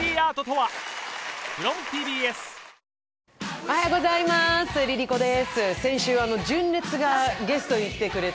おはようございます。